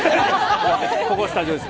ここ、スタジオです。